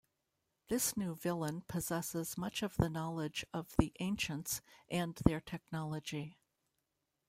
This new villain possesses much of the knowledge of the Ancients and their technology.